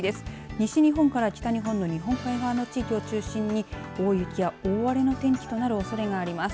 西日本から北日本の日本海側の地域を中心に大雪や大荒れの天気となるおそれがあります。